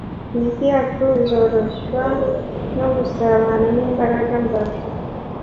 , imitima yacu izoroshywa no gusabana n’imbaraga mvajuru.